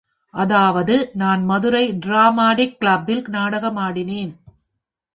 அதாவது நான் மதுரை டிராமாடிக் கிளப்பில் நாடகமாடினேன்!